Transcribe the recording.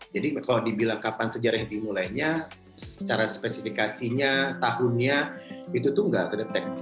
jadi kalau dibilang kapan sejarah yang dimulainya secara spesifikasinya tahunnya itu tuh nggak terdeteksi